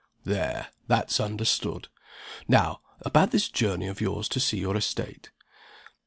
_ There, that's understood. Now about this journey of yours to see your estate.